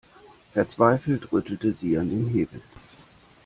Verzweifelt rüttelte sie an dem Hebel.